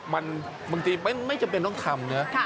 มันจริงไม่จำเป็นต้องทำเนอะ